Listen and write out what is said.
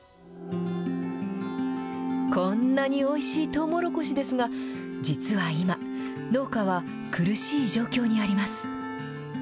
こんなにおいしいとうもろこしですが、実は今、農家は苦しい状況にあります。